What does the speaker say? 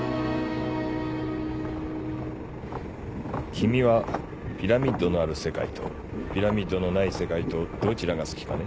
君はピラミッドのある世界とピラミッドのない世界とどちらが好きかね？